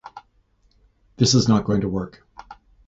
This was not going to work.